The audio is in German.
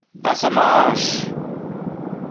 Wasser marsch!